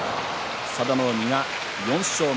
佐田の海が４勝目。